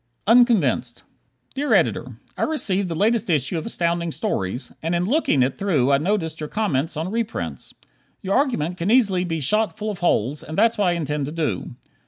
Unconvinced Dear Editor: I received the latest issue of Astounding Stories, and in looking it through I noticed your comments on reprints. Your argument can easily be shot full of holes, and that's what I intend to do.